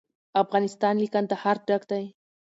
افغانستان له کندهار ډک دی.